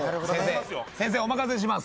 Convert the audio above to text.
先生お任せします。